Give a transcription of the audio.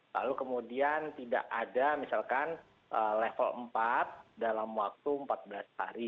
lalu kemudian tidak ada misalkan level empat dalam waktu empat belas hari